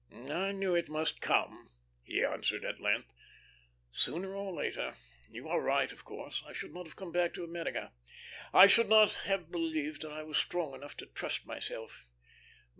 "I knew it must come," he answered, at length, "sooner or later. You are right of course. I should not have come back to America. I should not have believed that I was strong enough to trust myself.